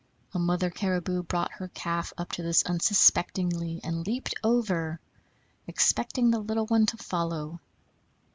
A mother caribou brought her calf up to this unsuspectingly, and leaped over, expecting the little one to follow.